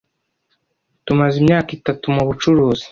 Tumaze imyaka itatu mubucuruzi.